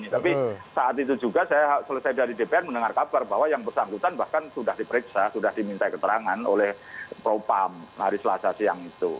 tapi saat itu juga saya selesai dari dpr mendengar kabar bahwa yang bersangkutan bahkan sudah diperiksa sudah diminta keterangan oleh propam hari selasa siang itu